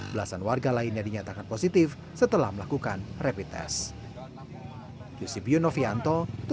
belasan warga lainnya dinyatakan positif setelah melakukan rapid test